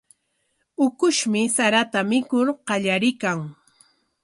Ukushmi sarata mikur qallariykan.